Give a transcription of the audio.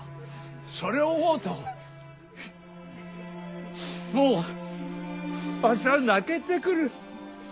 それを思うともうわしは泣けてくる。